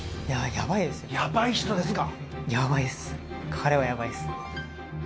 やばい人ですか！